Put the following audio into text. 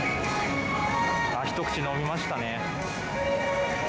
一口飲みましたね。